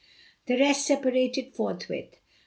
The rest separated forthwith.